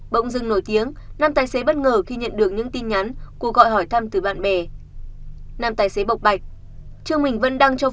bỗng dưng nổi tiếng nam tài xế bất ngờ khi nhận được những tin nhắn của gọi hỏi thăm từ bạn bè